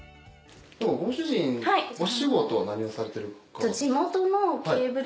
ご主人お仕事は何をされてる方。